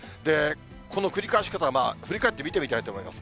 この繰り返し方、振り返って見てみたいと思います。